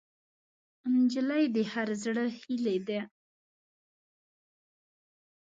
نجلۍ د هر زړه هیلې ده.